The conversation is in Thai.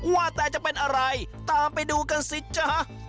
ว่าแต่จะเป็นอะไรตามไปดูกันสิจ๊ะ